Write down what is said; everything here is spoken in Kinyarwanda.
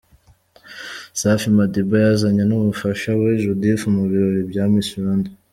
Safi Madiba yazanye n'umufasha we Judith mu birori bya Miss Rwanda.